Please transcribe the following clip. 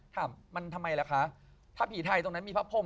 ถามมันทำไมล่ะคะถ้าผีไทยตรงนั้นมีพระพรม